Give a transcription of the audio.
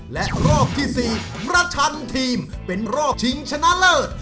และรอบที่๔ประชันทีมเป็นรอบชิงชนะเลิศ